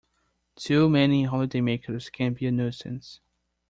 Too many holidaymakers can be a nuisance